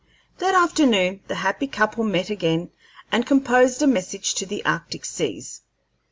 That afternoon the happy couple met again and composed a message to the arctic seas.